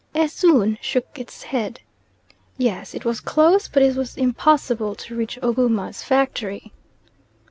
Esoon shook its head. "Yes, it was close, but it was impossible to reach Uguma's factory."